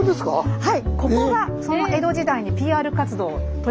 はい。